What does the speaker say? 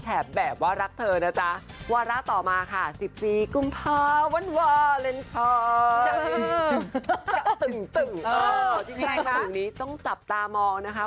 อ๋อที่แรกนี้ต้องจับตามองนะคะ